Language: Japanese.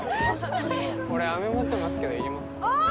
俺あめ持ってますけどいりますか？